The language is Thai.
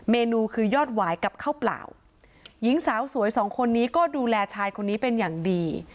เมนูคือยอดหวายกับข้าวเปล่าหญิงสาวสวยสองคนนี้ก็ดูแลชายคนนี้เป็นอย่างดี